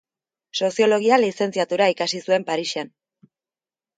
Soziologia lizentziatura ikasi zuen Parisen.